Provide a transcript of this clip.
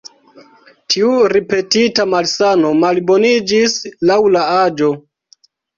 Tiu ripetita malsano malboniĝis laŭ la aĝo.